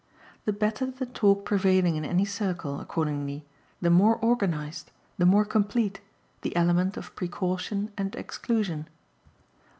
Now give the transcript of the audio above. The better the talk prevailing in any circle, accordingly, the more organised, the more complete, the element of precaution and exclusion.